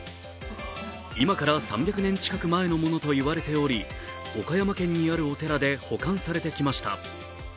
今から３００年近く前のものと言われており、岡山県にあるお寺で保管されてきました。